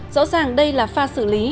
rõ ràng đây là pha xử lý